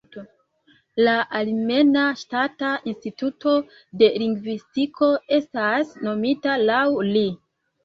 La armena Ŝtata Instituto de Lingvistiko estas nomita laŭ li.